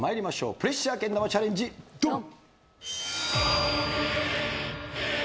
プレッシャーけん玉チャレンジドン！